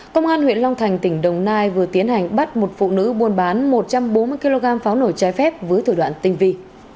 công an huyện long thành tỉnh đồng nai vừa tiến hành bắt một phụ nữ buôn bán một trăm bốn mươi kg pháo nổ trái phép với thủ đoạn tinh vi